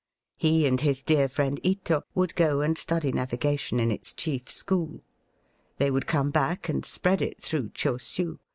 He and his dear friend Ito would go and study navigation in its chief school. They would come back and spread it through Chosiu.